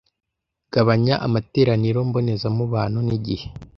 Gabanya amateraniro mbonezamubano nigihe